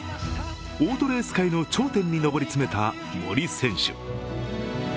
オートレース界の頂点に上り詰めた森選手。